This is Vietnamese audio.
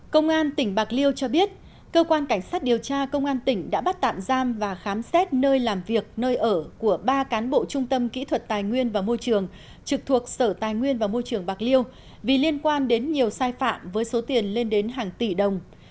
công an tỉnh bạc liêu cho biết cơ quan cảnh sát điều tra công an tỉnh đã bắt tạm giam và khám xét nơi làm việc nơi ở của ba cán bộ trung tâm kỹ thuật tài nguyên và môi trường trực thuộc sở tài nguyên và môi trường bạc liêu vì liên quan đến nhiều sai phạm với số tiền lên đến hàng tỷ đồng